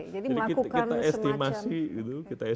jadi kita estimasi gitu